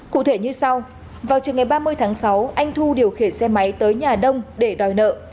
cụ thể như sau vào trường ngày ba mươi tháng sáu anh thu điều khiển xe máy tới nhà đông để đòi nợ